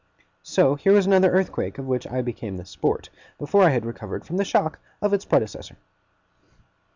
So, here was another earthquake of which I became the sport, before I had recovered from the shock of its predecessor!